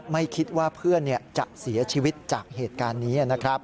ไม่คิดว่าเพื่อนจะเสียชีวิตจากเหตุการณ์นี้นะครับ